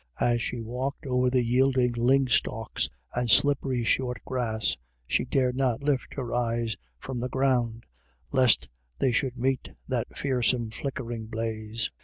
As she walked over the yielding ling stalks and slippery short grass, she dared not lift her eyes from the ground lest they should meet that fearsome flickering blaze.